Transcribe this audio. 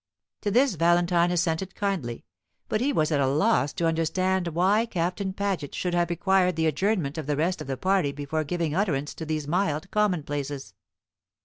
To this Valentine assented kindly, but he was at a loss to understand why Captain Paget should have required the adjournment of the rest of the party before giving utterance to these mild commonplaces.